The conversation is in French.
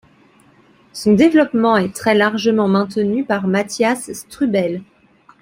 Son développement est très largement maintenu par Matthias Strubel.